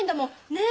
ねえ。